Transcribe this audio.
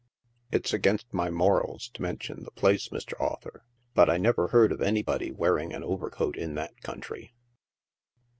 It's against ray morals to mention the place, Mr. Author, but I never heard of anybody wearing an overcoat in that country.